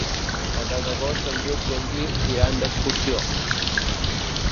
El deu d'agost en Lluc i en Guim iran d'excursió.